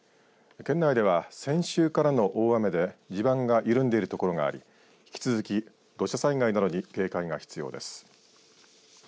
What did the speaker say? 県内では、先週からの大雨で地盤が緩んでいる所があり引き続き土砂災害などに警戒が必要です。